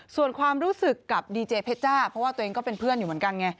ส่วนความรู้สึกกับดีเจเพชจ้าเพราะว่าตัวเองก็เป็นเพื่อนอยู่เหมือนกันไง